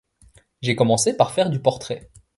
J'ai commencé par faire du portrait.